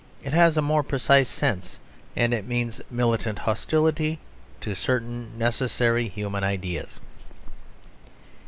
It has a more precise sense, and means militant hostility to certain necessary human ideas.